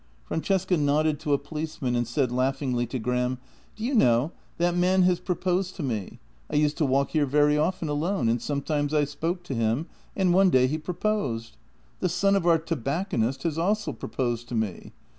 Francesca nodded to a policeman and said laughingly to Gram: " Do you know, that man has proposed to me. I used to walk here very often alone, and sometimes I spoke to him, and one day he proposed. The son of our tobacconist has also proposed to me.